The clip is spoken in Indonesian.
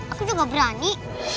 aku juga berani